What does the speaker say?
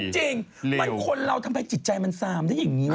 จริงคนเราทำไมจิตใจมันซามได้อย่างนี้วะ